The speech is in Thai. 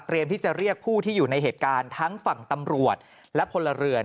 ที่จะเรียกผู้ที่อยู่ในเหตุการณ์ทั้งฝั่งตำรวจและพลเรือน